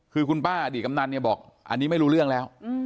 คือคุณป้าอดีตกำนันเนี่ยบอกอันนี้ไม่รู้เรื่องแล้ว